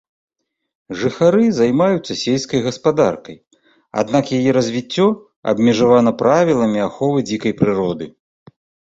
Жыхары займаюцца сельскай гаспадаркай, аднак яе развіццё абмежавана правіламі аховы дзікай прыроды.